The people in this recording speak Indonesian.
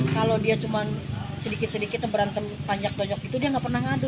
kalau dia cuma sedikit sedikit berantem panjak tonyok itu dia gak pernah ngadu